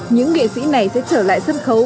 những nghệ sĩ này sẽ trở lại sân khấu